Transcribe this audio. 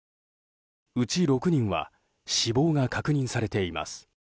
うち６人は死亡が確認されています。